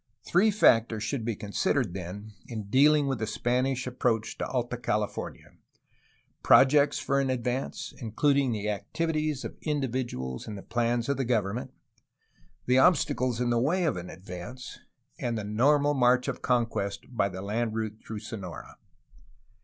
Three factors should be considered, then, in dealing with the Spanish approach to Alta California: projects for an ad vance, including the activities of individuals and the plans of the government; the obstacles in the way of an advance; and the normal march of conquest by the land route through Sonora.